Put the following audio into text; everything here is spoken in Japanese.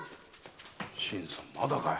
新さんまだかい。